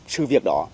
sự việc đó